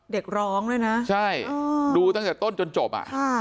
เด็กร้องเลยนะใช่ดูตั้งจากต้นจนจบ